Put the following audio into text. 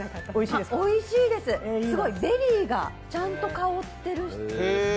あ、おいしいです、すごいベリーがちゃんと香ってる。